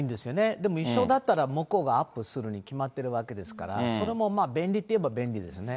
でも、そうだったら、向こうがアップするに決まってるわけですから、それもまあ、便利っていえば便利ですよね。